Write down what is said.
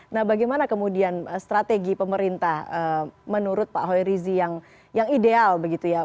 nah bagaimana kemudian strategi pemerintah menurut pak hoerizi yang ideal begitu ya